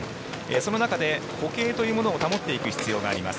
その中で、歩型というものを保っていく必要があります。